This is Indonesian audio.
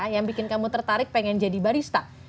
yang bikin kamu tertarik pengen jadi barista